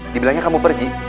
dibilangnya kamu pergi